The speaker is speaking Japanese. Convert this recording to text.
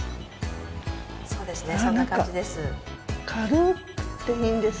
そうですねそんな感じです。